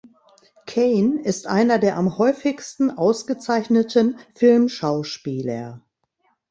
Caine ist einer der am häufigsten ausgezeichneten Filmschauspieler.